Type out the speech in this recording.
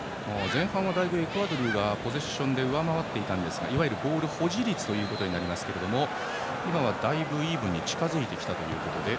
前半はエクアドルがポゼッションで上回っていたんですがいわゆるボール保持率となりますがだいぶイーブンに近づいてきたということで。